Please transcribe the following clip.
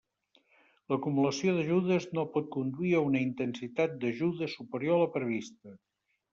L'acumulació d'ajudes no pot conduir a una intensitat d'ajuda superior a la prevista.